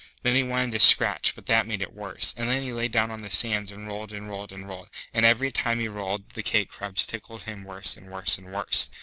Then he wanted to scratch, but that made it worse; and then he lay down on the sands and rolled and rolled and rolled, and every time he rolled the cake crumbs tickled him worse and worse and worse.